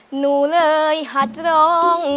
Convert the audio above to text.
หนูเลยหัดร้อง